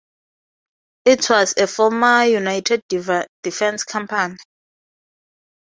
It was a former United Defense company.